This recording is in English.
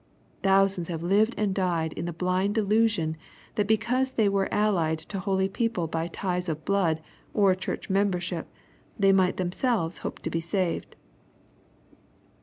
Thousands have lived and died in the blind delusion^ that because they « were allied to holy people by ties of blood or church membership, they might themselves hope to be saved.